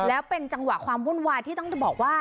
แล้วเป็นจังหวะความวุ่นวายที่ต้องบอกว่า